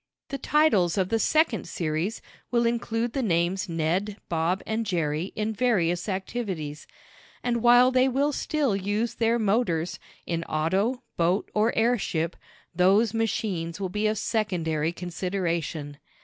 The titles of the second series will include the names Ned, Bob and Jerry, in various activities, and while they will still use their motors, in auto, boat or airship, those machines will be of secondary consideration.